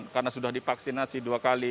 karena sudah dipaksinasi dua kali